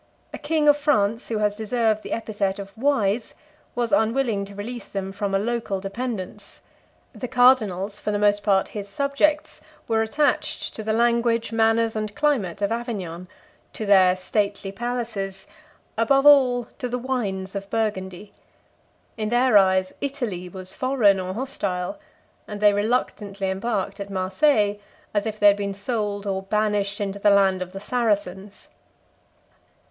A king of France, who has deserved the epithet of wise, was unwilling to release them from a local dependence: the cardinals, for the most part his subjects, were attached to the language, manners, and climate of Avignon; to their stately palaces; above all, to the wines of Burgundy. In their eyes, Italy was foreign or hostile; and they reluctantly embarked at Marseilles, as if they had been sold or banished into the land of the Saracens.